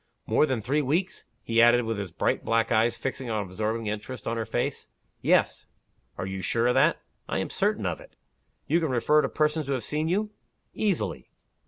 "More than three weeks?" he added, with his bright black eyes fixed in absorbing interest on her face. "Yes." "Are you sure of that?" "I am certain of it." "You can refer to persons who have seen you?" "Easily."